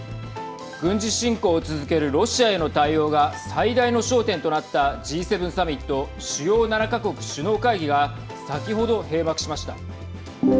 軍事侵攻を続けるロシアへの対応が最大の焦点となったＧ７サミット＝主要７か国首脳会議が先ほど閉幕しました。